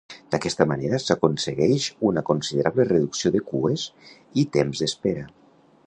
D'aquesta manera s'aconsegueix una considerable reducció de cues i temps d'espera.